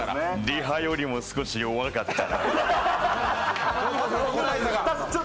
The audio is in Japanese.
リハよりも少し弱かった。